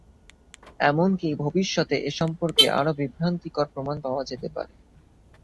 এমনকি ভবিষ্যতে এ সম্পর্কে আরো বিভ্রান্তিকর প্রমাণ পাওয়া যেতে পারে।